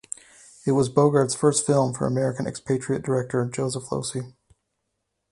It was Bogarde's first film for American expatriate director Joseph Losey.